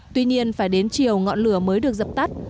tuy nhiên phải đến chiều ngọn lửa mới được dập tắt